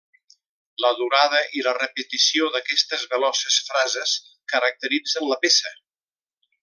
La durada i la repetició d'aquestes veloces frases caracteritzen la peça.